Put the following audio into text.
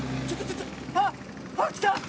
あっきた！